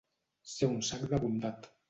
Ser un sac de bondat.